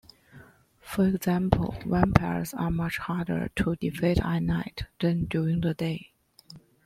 For example, vampires are much harder to defeat at night than during the day.